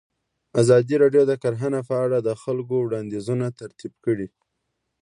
ازادي راډیو د کرهنه په اړه د خلکو وړاندیزونه ترتیب کړي.